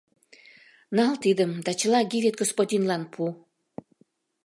— Нал тидым да чыла Гивет господинлан пу.